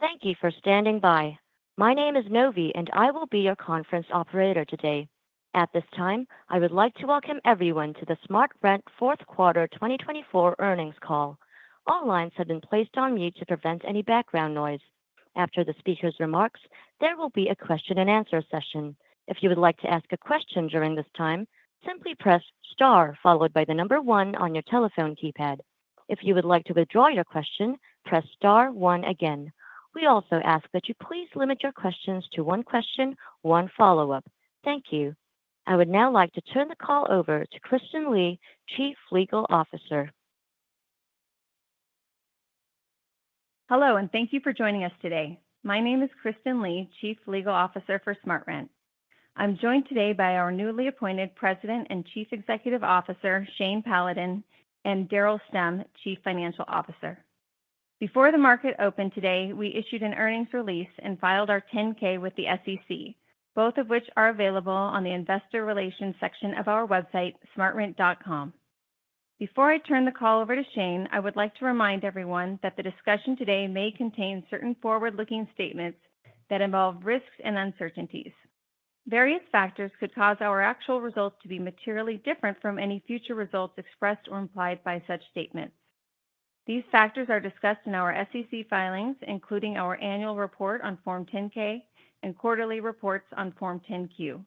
Thank you for standing by. My name is Novi, and I will be your conference operator today. At this time, I would like to welcome everyone to the SmartRent fourth quarter 2024 earnings call. All lines have been placed on mute to prevent any background noise. After the speaker's remarks, there will be a question-and-answer session. If you would like to ask a question during this time, simply press star followed by the number one on your telephone keypad. If you would like to withdraw your question, press star one again. We also ask that you please limit your questions to one question, one follow-up. Thank you. I would now like to turn the call over to Kristen Lee, Chief Legal Officer. Hello, and thank you for joining us today. My name is Kristen Lee, Chief Legal Officer for SmartRent. I'm joined today by our newly appointed President and Chief Executive Officer, Shane Paladin, and Daryl Stemm, Chief Financial Officer. Before the market opened today, we issued an earnings release and filed our 10-K with the SEC, both of which are available on the Investor Relations section of our website, smartrent.com. Before I turn the call over to Shane, I would like to remind everyone that the discussion today may contain certain forward-looking statements that involve risks and uncertainties. Various factors could cause our actual results to be materially different from any future results expressed or implied by such statements. These factors are discussed in our SEC filings, including our annual report on Form 10-K and quarterly reports on Form 10-Q.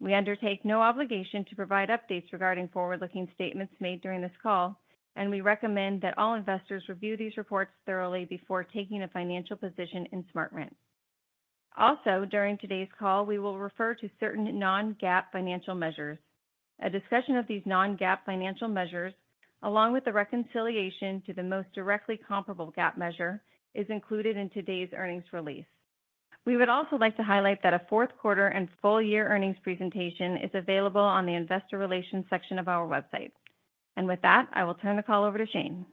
We undertake no obligation to provide updates regarding forward-looking statements made during this call, and we recommend that all investors review these reports thoroughly before taking a financial position in SmartRent. Also, during today's call, we will refer to certain non-GAAP financial measures. A discussion of these non-GAAP financial measures, along with the reconciliation to the most directly comparable GAAP measure, is included in today's earnings release. We would also like to highlight that a fourth quarter and full-year earnings presentation is available on the Investor Relations section of our website. With that, I will turn the call over to Shane.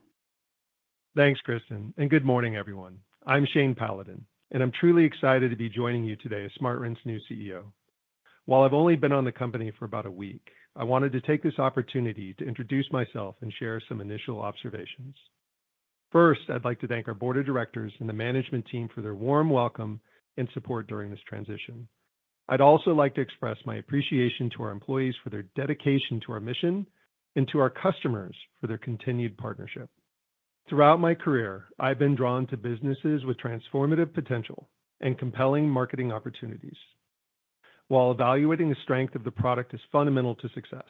Thanks, Kristen, and good morning, everyone. I'm Shane Paladin, and I'm truly excited to be joining you today as SmartRent's new CEO. While I've only been on the company for about a week, I wanted to take this opportunity to introduce myself and share some initial observations. First, I'd like to thank our Board of Directors and the Management Team for their warm welcome and support during this transition. I'd also like to express my appreciation to our employees for their dedication to our mission and to our customers for their continued partnership. Throughout my career, I've been drawn to businesses with transformative potential and compelling marketing opportunities. While evaluating the strength of the product is fundamental to success,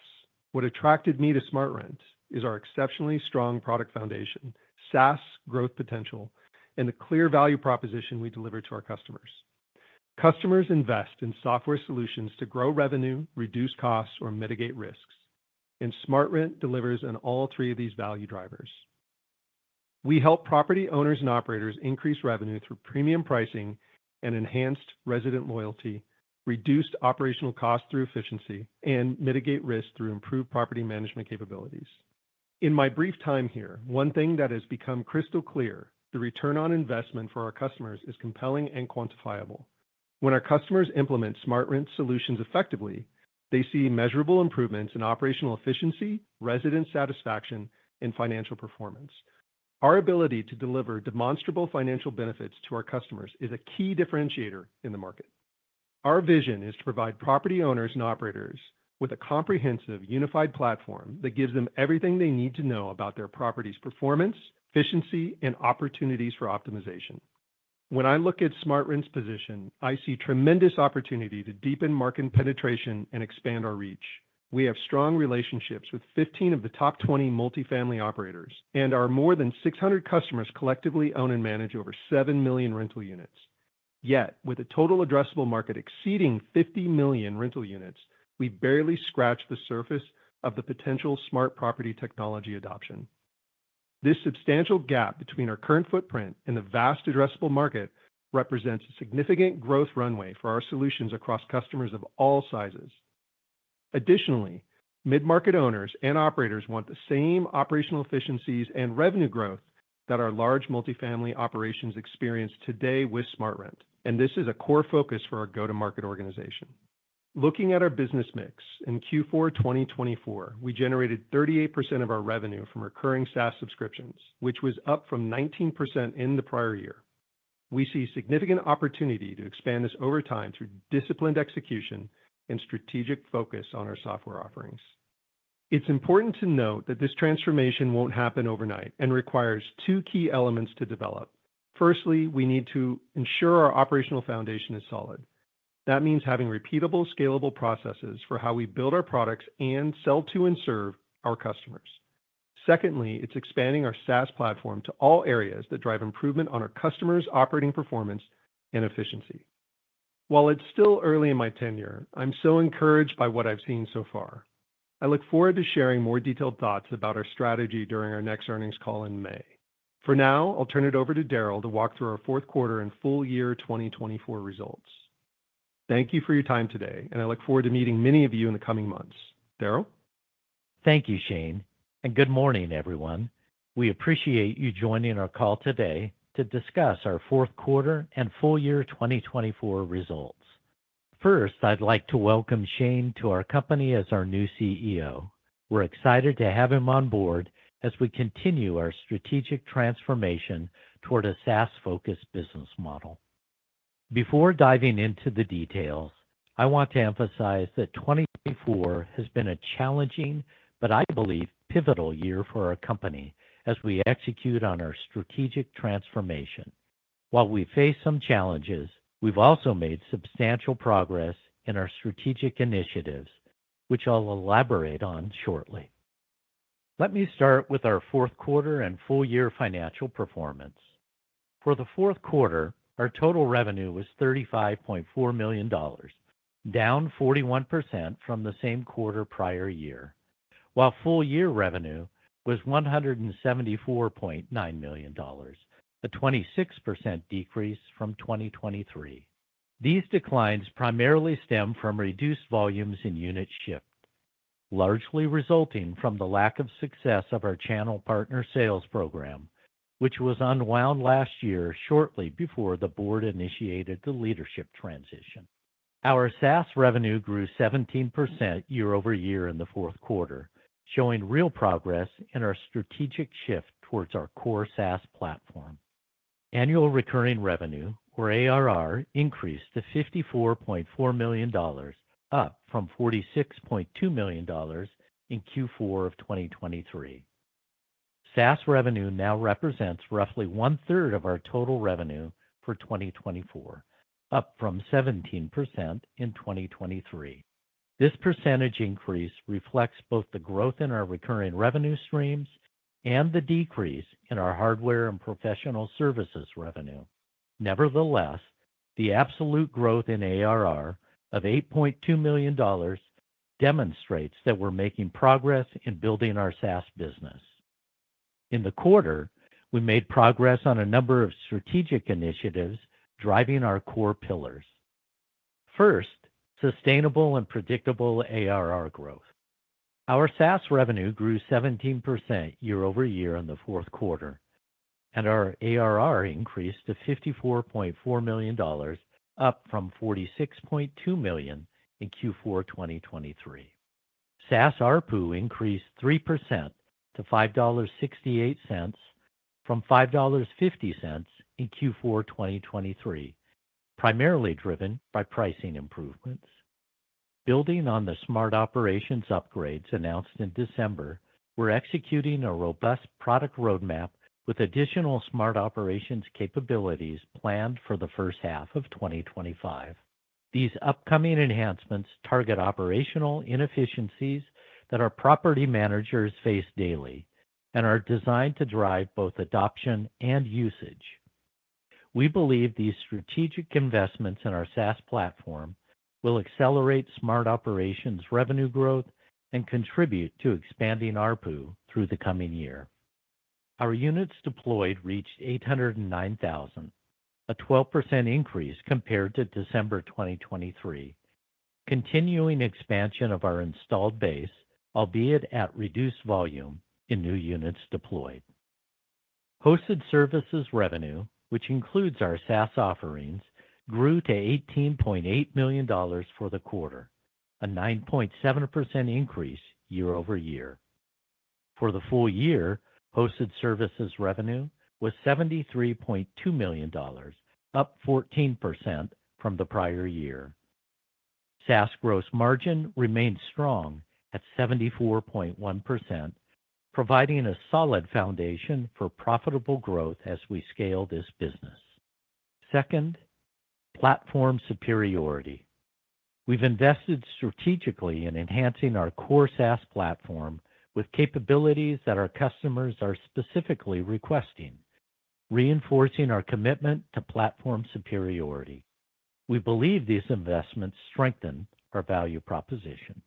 what attracted me to SmartRent is our exceptionally strong product foundation, SaaS growth potential, and the clear value proposition we deliver to our customers. Customers invest in software solutions to grow revenue, reduce costs, or mitigate risks, and SmartRent delivers on all three of these value drivers. We help property owners and operators increase revenue through premium pricing and enhanced resident loyalty, reduce operational costs through efficiency, and mitigate risk through improved property management capabilities. In my brief time here, one thing that has become crystal clear: the return on investment for our customers is compelling and quantifiable. When our customers implement SmartRent solutions effectively, they see measurable improvements in operational efficiency, resident satisfaction, and financial performance. Our ability to deliver demonstrable financial benefits to our customers is a key differentiator in the market. Our vision is to provide property owners and operators with a comprehensive, unified platform that gives them everything they need to know about their property's performance, efficiency, and opportunities for optimization. When I look at SmartRent's position, I see tremendous opportunity to deepen market penetration and expand our reach. We have strong relationships with 15 of the top 20 multifamily operators, and our more than 600 customers collectively own and manage over 7 million rental units. Yet, with a total addressable market exceeding 50 million rental units, we've barely scratched the surface of the potential smart property technology adoption. This substantial gap between our current footprint and the vast addressable market represents a significant growth runway for our solutions across customers of all sizes. Additionally, mid-market owners and operators want the same operational efficiencies and revenue growth that our large multifamily operations experience today with SmartRent, and this is a core focus for our go-to-market organization. Looking at our business mix, in Q4 2024, we generated 38% of our revenue from recurring SaaS subscriptions, which was up from 19% in the prior year. We see significant opportunity to expand this over time through disciplined execution and strategic focus on our software offerings. It's important to note that this transformation won't happen overnight and requires two key elements to develop. Firstly, we need to ensure our operational foundation is solid. That means having repeatable, scalable processes for how we build our products and sell to and serve our customers. Secondly, it's expanding our SaaS platform to all areas that drive improvement on our customers' operating performance and efficiency. While it's still early in my tenure, I'm so encouraged by what I've seen so far. I look forward to sharing more detailed thoughts about our strategy during our next earnings call in May. For now, I'll turn it over to Daryl to walk through our fourth quarter and full-year 2024 results. Thank you for your time today, and I look forward to meeting many of you in the coming months. Daryl? Thank you, Shane, and good morning, everyone. We appreciate you joining our call today to discuss our fourth quarter and full-year 2024 results. First, I'd like to welcome Shane to our company as our new CEO. We're excited to have him on board as we continue our strategic transformation toward a SaaS-focused business model. Before diving into the details, I want to emphasize that 2024 has been a challenging, but I believe pivotal year for our company as we execute on our strategic transformation. While we face some challenges, we've also made substantial progress in our strategic initiatives, which I'll elaborate on shortly. Let me start with our fourth quarter and full-year financial performance. For the fourth quarter, our total revenue was $35.4 million, down 41% from the same quarter prior year, while full-year revenue was $174.9 million, a 26% decrease from 2023. These declines primarily stem from reduced volumes in unit ship, largely resulting from the lack of success of our channel partner sales program, which was unwound last year shortly before the board initiated the leadership transition. Our SaaS revenue grew 17% year-over-year in the fourth quarter, showing real progress in our strategic shift towards our core SaaS platform. Annual recurring revenue, or ARR, increased to $54.4 million, up from $46.2 million in Q4 of 2023. SaaS revenue now represents roughly one-third of our total revenue for 2024, up from 17% in 2023. This percentage increase reflects both the growth in our recurring revenue streams and the decrease in our hardware and professional services revenue. Nevertheless, the absolute growth in ARR of $8.2 million demonstrates that we're making progress in building our SaaS business. In the quarter, we made progress on a number of strategic initiatives driving our core pillars. First, sustainable and predictable ARR growth. Our SaaS revenue grew 17% year-over-year in the fourth quarter, and our ARR increased to $54.4 million, up from $46.2 million in Q4 2023. SaaS ARPU increased 3% to $5.68, from $5.50 in Q4 2023, primarily driven by pricing improvements. Building on the Smart Operations upgrades announced in December, we're executing a robust product roadmap with additional Smart Operations capabilities planned for the first half of 2025. These upcoming enhancements target operational inefficiencies that our property managers face daily and are designed to drive both adoption and usage. We believe these strategic investments in our SaaS platform will accelerate Smart Operations revenue growth and contribute to expanding ARPU through the coming year. Our units deployed reached 809,000, a 12% increase compared to December 2023, continuing expansion of our installed base, albeit at reduced volume in new units deployed. Hosted services revenue, which includes our SaaS offerings, grew to $18.8 million for the quarter, a 9.7% increase year-over-year. For the full year, hosted services revenue was $73.2 million, up 14% from the prior year. SaaS gross margin remained strong at 74.1%, providing a solid foundation for profitable growth as we scale this business. Second, platform superiority. We've invested strategically in enhancing our core SaaS platform with capabilities that our customers are specifically requesting, reinforcing our commitment to platform superiority. We believe these investments strengthen our value proposition.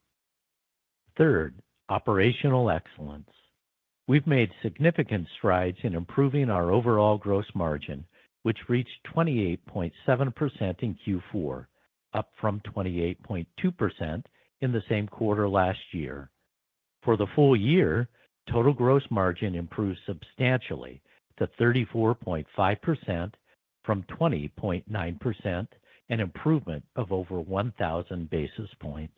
Third, operational excellence. We've made significant strides in improving our overall gross margin, which reached 28.7% in Q4, up from 28.2% in the same quarter last year. For the full year, total gross margin improved substantially to 34.5% from 20.9%, an improvement of over 1,000 basis points.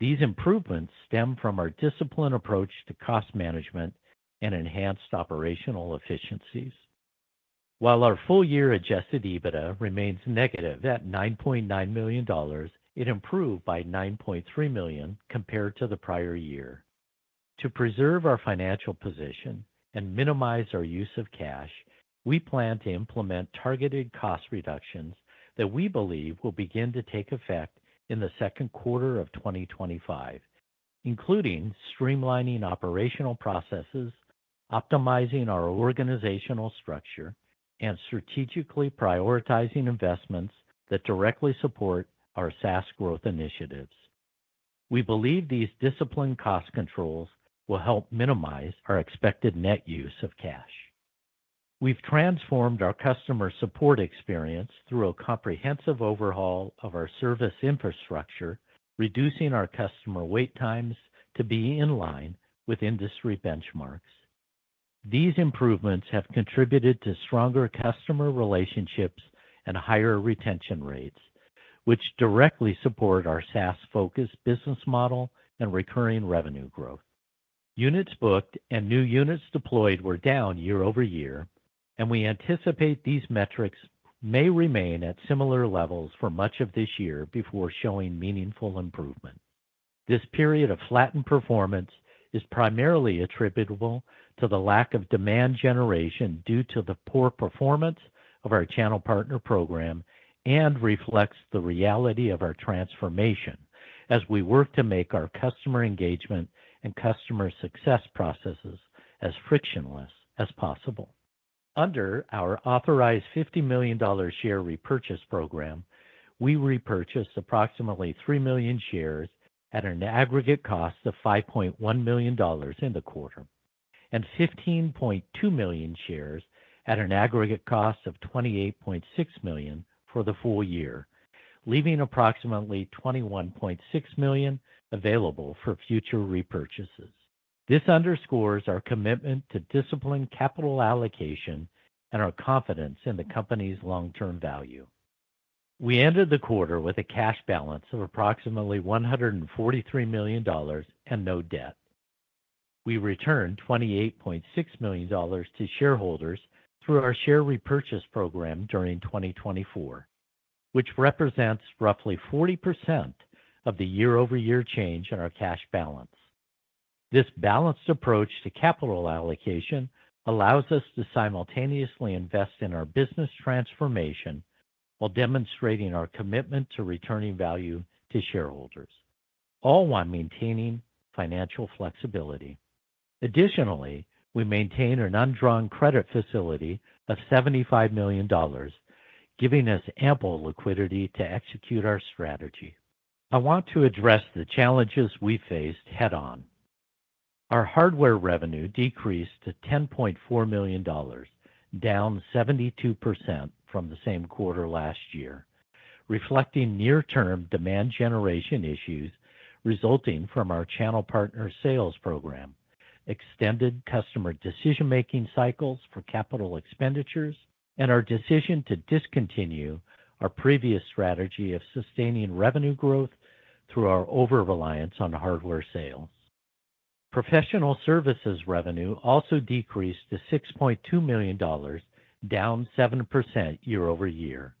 These improvements stem from our disciplined approach to cost management and enhanced operational efficiencies. While our full-year adjusted EBITDA remains negative at $9.9 million, it improved by $9.3 million compared to the prior year. To preserve our financial position and minimize our use of cash, we plan to implement targeted cost reductions that we believe will begin to take effect in the second quarter of 2025, including streamlining operational processes, optimizing our organizational structure, and strategically prioritizing investments that directly support our SaaS growth initiatives. We believe these disciplined cost controls will help minimize our expected net use of cash. We've transformed our customer support experience through a comprehensive overhaul of our service infrastructure, reducing our customer wait times to be in line with industry benchmarks. These improvements have contributed to stronger customer relationships and higher retention rates, which directly support our SaaS-focused business model and recurring revenue growth. Units booked and new units deployed were down year-over-year, and we anticipate these metrics may remain at similar levels for much of this year before showing meaningful improvement. This period of flattened performance is primarily attributable to the lack of demand generation due to the poor performance of our channel partner program and reflects the reality of our transformation as we work to make our customer engagement and customer success processes as frictionless as possible. Under our authorized $50 million share repurchase program, we repurchased approximately 3 million shares at an aggregate cost of $5.1 million in the quarter and 15.2 million shares at an aggregate cost of $28.6 million for the full year, leaving approximately $21.6 million available for future repurchases. This underscores our commitment to disciplined capital allocation and our confidence in the company's long-term value. We ended the quarter with a cash balance of approximately $143 million and no debt. We returned $28.6 million to shareholders through our share repurchase program during 2024, which represents roughly 40% of the year-over-year change in our cash balance. This balanced approach to capital allocation allows us to simultaneously invest in our business transformation while demonstrating our commitment to returning value to shareholders, all while maintaining financial flexibility. Additionally, we maintain an undrawn credit facility of $75 million, giving us ample liquidity to execute our strategy. I want to address the challenges we faced head-on. Our hardware revenue decreased to $10.4 million, down 72% from the same quarter last year, reflecting near-term demand generation issues resulting from our channel partner sales program, extended customer decision-making cycles for capital expenditures, and our decision to discontinue our previous strategy of sustaining revenue growth through our over-reliance on hardware sales. Professional services revenue also decreased to $6.2 million, down 7% year-over-year.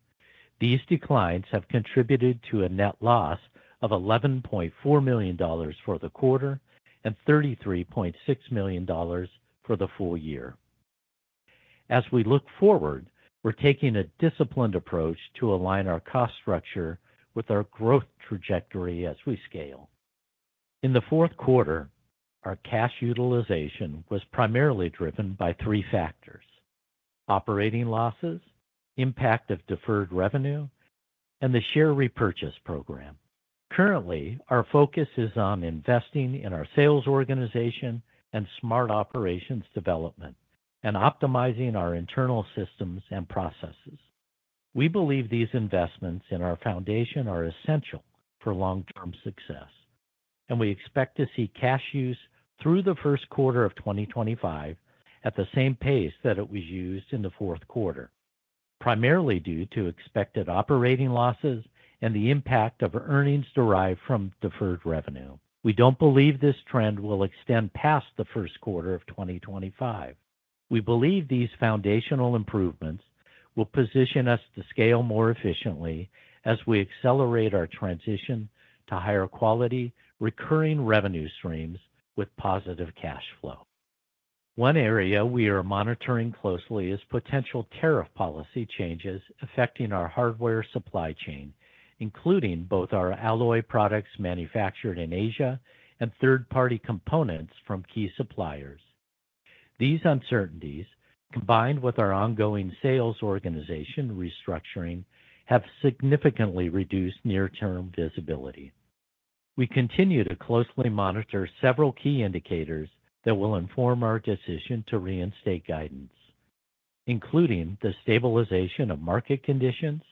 These declines have contributed to a net loss of $11.4 million for the quarter and $33.6 million for the full year. As we look forward, we're taking a disciplined approach to align our cost structure with our growth trajectory as we scale. In the fourth quarter, our cash utilization was primarily driven by three factors: operating losses, impact of deferred revenue, and the share repurchase program. Currently, our focus is on investing in our sales organization and Smart Operations development and optimizing our internal systems and processes. We believe these investments in our foundation are essential for long-term success, and we expect to see cash use through the first quarter of 2025 at the same pace that it was used in the fourth quarter, primarily due to expected operating losses and the impact of earnings derived from deferred revenue. We don't believe this trend will extend past the first quarter of 2025. We believe these foundational improvements will position us to scale more efficiently as we accelerate our transition to higher-quality recurring revenue streams with positive cash flow. One area we are monitoring closely is potential tariff policy changes affecting our hardware supply chain, including both our Alloy products manufactured in Asia and third-party components from key suppliers. These uncertainties, combined with our ongoing sales organization restructuring, have significantly reduced near-term visibility. We continue to closely monitor several key indicators that will inform our decision to reinstate guidance, including the stabilization of market conditions,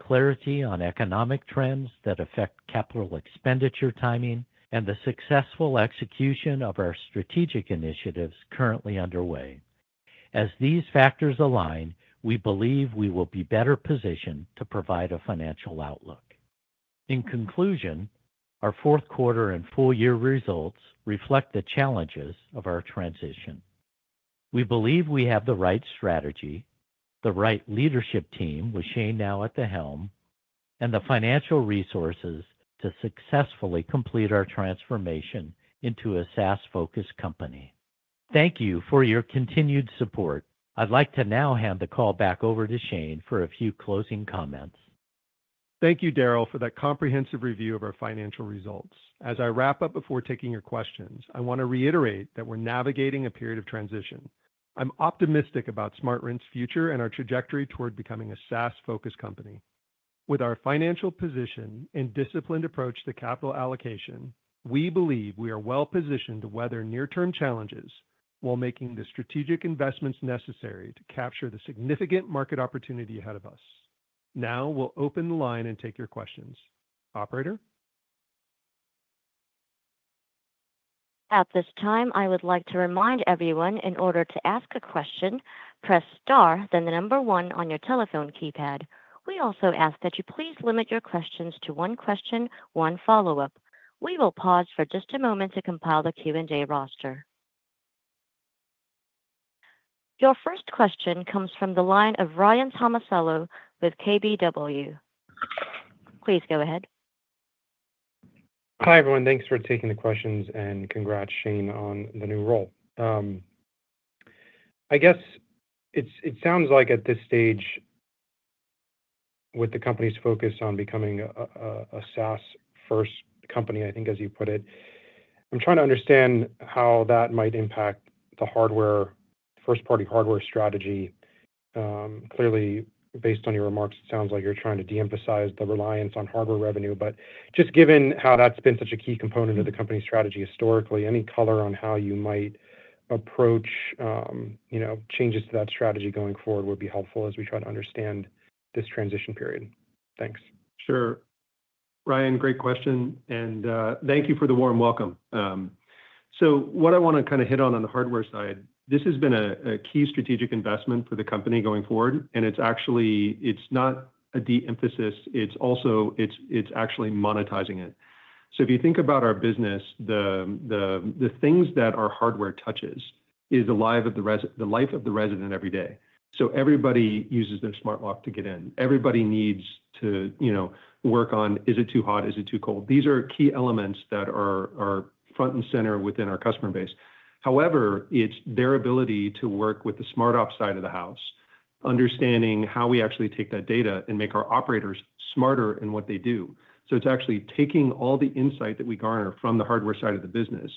clarity on economic trends that affect capital expenditure timing, and the successful execution of our strategic initiatives currently underway. As these factors align, we believe we will be better positioned to provide a financial outlook. In conclusion, our fourth quarter and full-year results reflect the challenges of our transition. We believe we have the right strategy, the right leadership team with Shane now at the helm, and the financial resources to successfully complete our transformation into a SaaS-focused company. Thank you for your continued support. I'd like to now hand the call back over to Shane for a few closing comments. Thank you, Daryl, for that comprehensive review of our financial results. As I wrap up before taking your questions, I want to reiterate that we're navigating a period of transition. I'm optimistic about SmartRent's future and our trajectory toward becoming a SaaS-focused company. With our financial position and disciplined approach to capital allocation, we believe we are well-positioned to weather near-term challenges while making the strategic investments necessary to capture the significant market opportunity ahead of us. Now we'll open the line and take your questions. Operator? At this time, I would like to remind everyone in order to ask a question, press star, then the number one on your telephone keypad. We also ask that you please limit your questions to one question, one follow-up. We will pause for just a moment to compile the Q&A roster. Your first question comes from the line of Ryan Tomasello with KBW. Please go ahead. Hi everyone. Thanks for taking the questions and congrats, Shane, on the new role. I guess it sounds like at this stage, with the company's focus on becoming a SaaS-first company, I think, as you put it, I'm trying to understand how that might impact the hardware, first-party hardware strategy. Clearly, based on your remarks, it sounds like you're trying to de-emphasize the reliance on hardware revenue. Just given how that's been such a key component of the company's strategy historically, any color on how you might approach changes to that strategy going forward would be helpful as we try to understand this transition period. Thanks. Sure. Ryan, great question. Thank you for the warm welcome. What I want to kind of hit on on the hardware side, this has been a key strategic investment for the company going forward, and it's actually not a de-emphasis, it's actually monetizing it. If you think about our business, the things that our hardware touches is the life of the resident every day. Everybody uses their smart lock to get in. Everybody needs to work on, is it too hot, is it too cold? These are key elements that are front and center within our customer base. However, it's their ability to work with the smart upside of the house, understanding how we actually take that data and make our operators smarter in what they do. It is actually taking all the insight that we garner from the hardware side of the business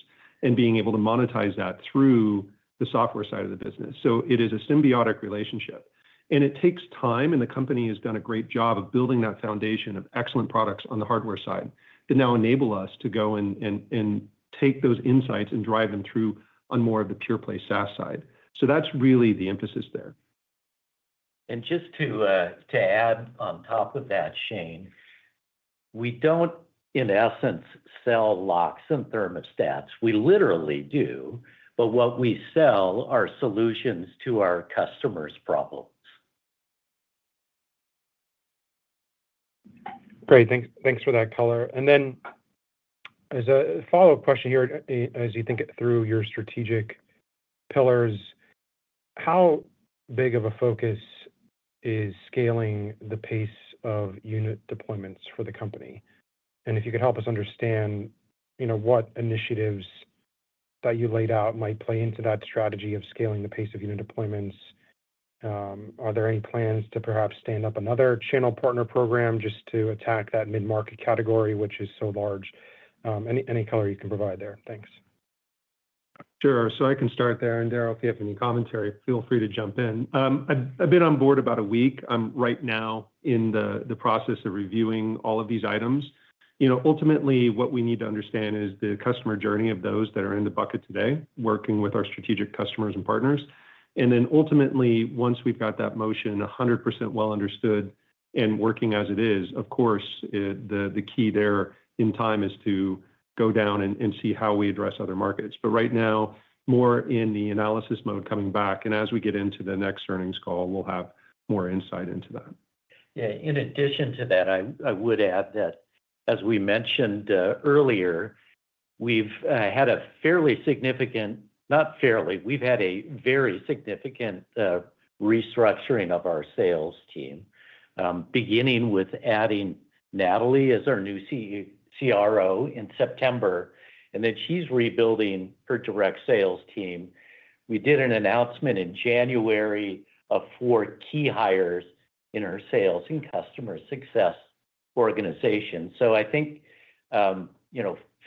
and being able to monetize that through the software side of the business. It is a symbiotic relationship. It takes time, and the company has done a great job of building that foundation of excellent products on the hardware side that now enable us to go and take those insights and drive them through on more of the pure-play SaaS side. That is really the emphasis there. Just to add on top of that, Shane, we don't, in essence, sell locks and thermostats. We literally do, but what we sell are solutions to our customers' problems. Great. Thanks for that color. As a follow-up question here, as you think it through your strategic pillars, how big of a focus is scaling the pace of unit deployments for the company? If you could help us understand what initiatives that you laid out might play into that strategy of scaling the pace of unit deployments, are there any plans to perhaps stand up another channel partner program just to attack that mid-market category, which is so large? Any color you can provide there. Thanks. Sure. I can start there. Daryl, if you have any commentary, feel free to jump in. I've been on board about a week. I'm right now in the process of reviewing all of these items. Ultimately, what we need to understand is the customer journey of those that are in the bucket today, working with our strategic customers and partners. Ultimately, once we've got that motion 100% well understood and working as it is, of course, the key there in time is to go down and see how we address other markets. Right now, more in the analysis mode coming back. As we get into the next earnings call, we'll have more insight into that. Yeah. In addition to that, I would add that as we mentioned earlier, we've had a very significant restructuring of our sales team, beginning with adding Natalie as our new CRO in September, and then she's rebuilding her direct sales team. We did an announcement in January of four key hires in our sales and customer success organization. I think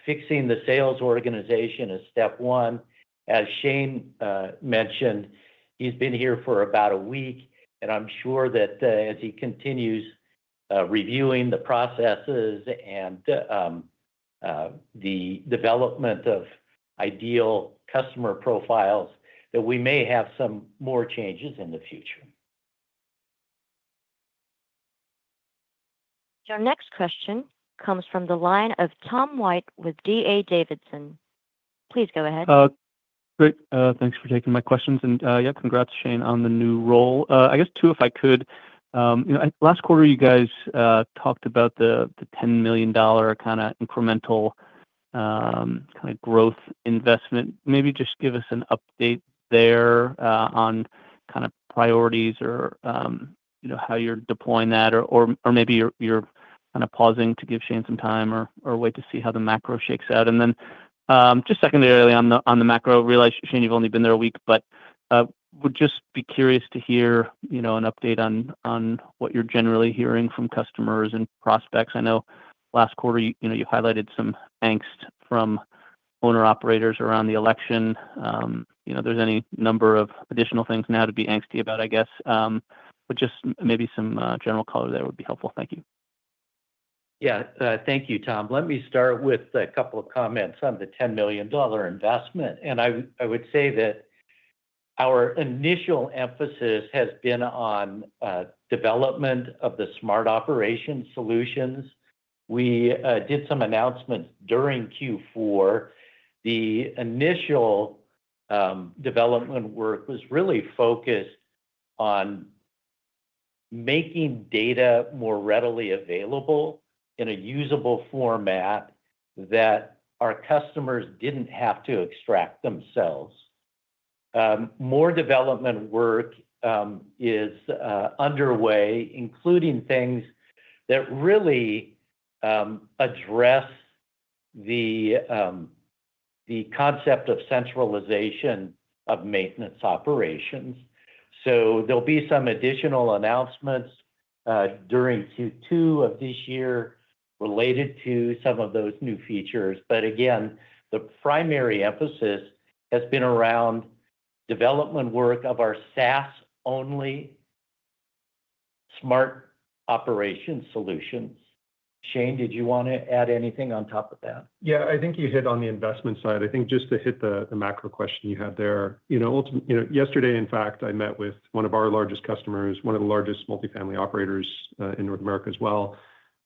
fixing the sales organization is step one. As Shane mentioned, he's been here for about a week, and I'm sure that as he continues reviewing the processes and the development of ideal customer profiles, we may have some more changes in the future. Your next question comes from the line of Tom White with D.A. Davidson. Please go ahead. Great. Thanks for taking my questions. Yeah, congrats, Shane, on the new role. I guess, too, if I could, last quarter, you guys talked about the $10 million kind of incremental kind of growth investment. Maybe just give us an update there on kind of priorities or how you're deploying that, or maybe you're kind of pausing to give Shane some time or wait to see how the macro shakes out. Just secondarily on the macro, Shane, you've only been there a week, but would just be curious to hear an update on what you're generally hearing from customers and prospects. I know last quarter, you highlighted some angst from owner-operators around the election. There's any number of additional things now to be angsty about, I guess. Just maybe some general color there would be helpful. Thank you. Yeah. Thank you, Tom. Let me start with a couple of comments on the $10 million investment. I would say that our initial emphasis has been on development of the Smart Operations solutions. We did some announcements during Q4. The initial development work was really focused on making data more readily available in a usable format that our customers did not have to extract themselves. More development work is underway, including things that really address the concept of centralization of maintenance operations. There will be some additional announcements during Q2 of this year related to some of those new features. Again, the primary emphasis has been around development work of our SaaS-only Smart Operations solutions. Shane, did you want to add anything on top of that? Yeah. I think you hit on the investment side. I think just to hit the macro question you had there. Yesterday, in fact, I met with one of our largest customers, one of the largest multifamily operators in North America as well.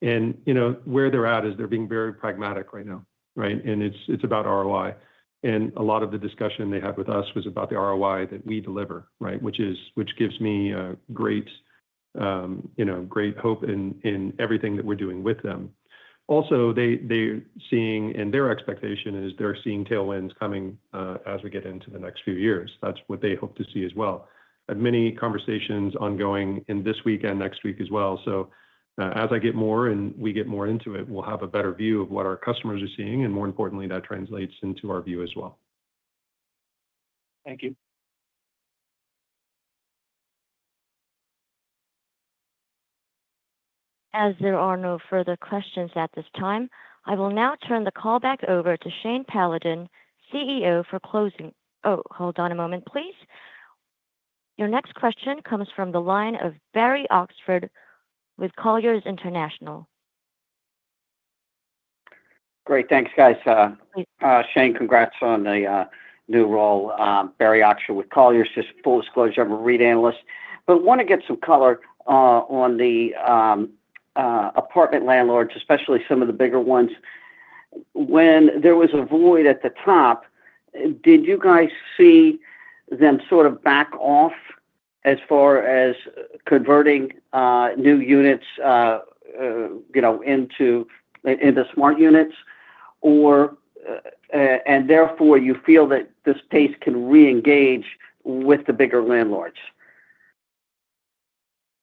Where they're at is they're being very pragmatic right now, right? It's about ROI. A lot of the discussion they had with us was about the ROI that we deliver, right, which gives me great hope in everything that we're doing with them. Also, they're seeing, and their expectation is they're seeing tailwinds coming as we get into the next few years. That's what they hope to see as well. I have many conversations ongoing this week and next week as well. As I get more and we get more into it, we'll have a better view of what our customers are seeing, and more importantly, that translates into our view as well. Thank you. As there are no further questions at this time, I will now turn the call back over to Shane Paladin, CEO, for closing. Oh, hold on a moment, please. Your next question comes from the line of Barry Oxford with Colliers International. Great. Thanks, guys. Shane, congrats on the new role. Barry Oxford with Colliers, full disclosure, I'm a REIT analyst. I want to get some color on the apartment landlords, especially some of the bigger ones. When there was a void at the top, did you guys see them sort of back off as far as converting new units into smart units? Therefore, do you feel that this pace can reengage with the bigger landlords?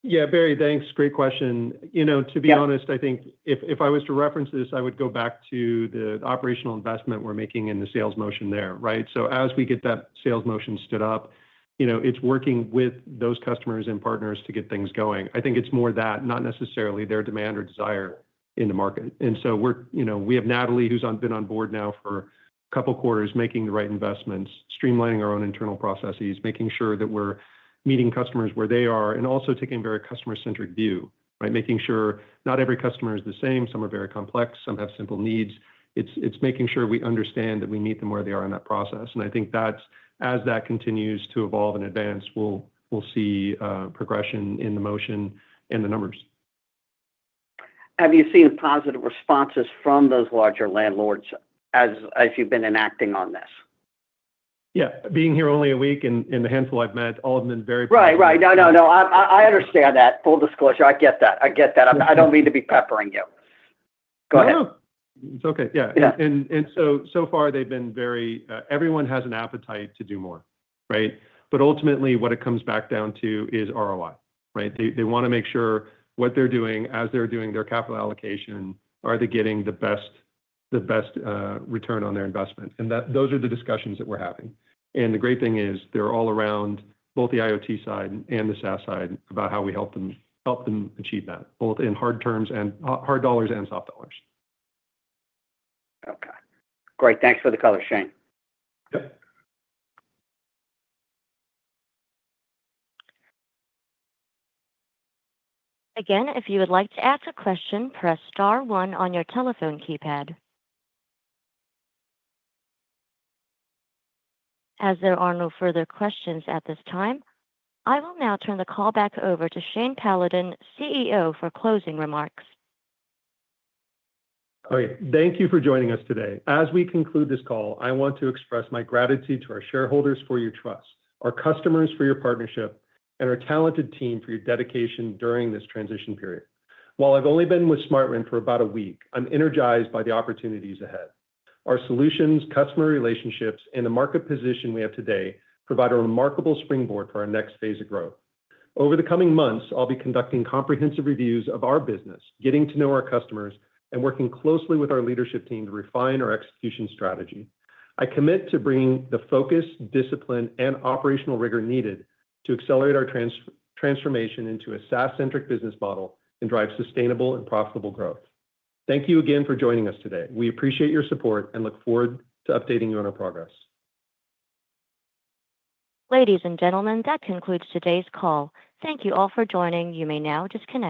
Yeah. Barry, thanks. Great question. To be honest, I think if I was to reference this, I would go back to the operational investment we're making in the sales motion there, right? As we get that sales motion stood up, it's working with those customers and partners to get things going. I think it's more that, not necessarily their demand or desire in the market. We have Natalie, who's been on board now for a couple of quarters, making the right investments, streamlining our own internal processes, making sure that we're meeting customers where they are, and also taking a very customer-centric view, right? Making sure not every customer is the same. Some are very complex. Some have simple needs. It's making sure we understand that we meet them where they are in that process. I think as that continues to evolve and advance, we'll see progression in the motion and the numbers. Have you seen positive responses from those larger landlords as you've been enacting on this? Yeah. Being here only a week and the handful I've met, all have been very positive. Right, right. No, no, no. I understand that. Full disclosure. I get that. I get that. I don't mean to be peppering you. Go ahead. Oh, no. It's okay. Yeah. So far, they've been very—everyone has an appetite to do more, right? Ultimately, what it comes back down to is ROI, right? They want to make sure what they're doing, as they're doing their capital allocation, are they getting the best return on their investment? Those are the discussions that we're having. The great thing is they're all around both the IoT side and the SaaS side about how we help them achieve that, both in hard dollars and soft dollars. Okay. Great. Thanks for the color, Shane. Yep. Again, if you would like to ask a question, press star one on your telephone keypad. As there are no further questions at this time, I will now turn the call back over to Shane Paladin, CEO, for closing remarks. All right. Thank you for joining us today. As we conclude this call, I want to express my gratitude to our shareholders for your trust, our customers for your partnership, and our talented team for your dedication during this transition period. While I've only been with SmartRent for about a week, I'm energized by the opportunities ahead. Our solutions, customer relationships, and the market position we have today provide a remarkable springboard for our next phase of growth. Over the coming months, I'll be conducting comprehensive reviews of our business, getting to know our customers, and working closely with our leadership team to refine our execution strategy. I commit to bringing the focus, discipline, and operational rigor needed to accelerate our transformation into a SaaS-centric business model and drive sustainable and profitable growth. Thank you again for joining us today. We appreciate your support and look forward to updating you on our progress. Ladies and gentlemen, that concludes today's call. Thank you all for joining. You may now disconnect.